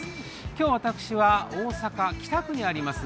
今日、私は大阪・北区にあります